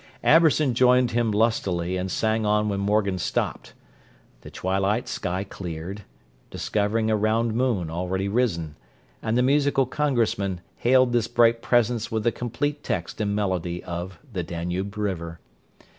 Amberson joined him lustily, and sang on when Morgan stopped. The twilight sky cleared, discovering a round moon already risen; and the musical congressman hailed this bright presence with the complete text and melody of "The Danube River."